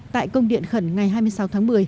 tại công điện khẩn ngày hai mươi sáu tháng một mươi